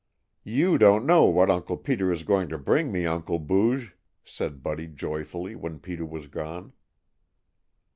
"You don't know what Uncle Peter is going to bring me, Uncle Booge!" said Buddy joyfully, when Peter was gone.